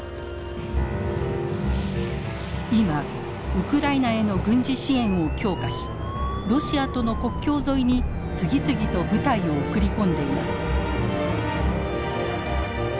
今ウクライナへの軍事支援を強化しロシアとの国境沿いに次々と部隊を送り込んでいます。